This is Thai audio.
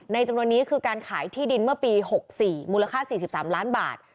จำนวนนี้คือการขายที่ดินเมื่อปี๖๔มูลค่า๔๓ล้านบาท